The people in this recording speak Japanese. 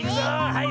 はい！